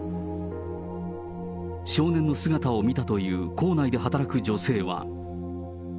少年の姿を見たという校内で働く女性は。